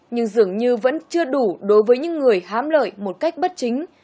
nhưng dường như vẫn chưa đủ đối với những người hám lợi một cách bất chính